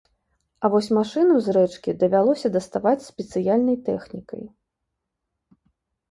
А вось машыну з рэчкі давялося даставаць спецыяльнай тэхнікай.